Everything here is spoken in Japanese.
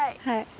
はい。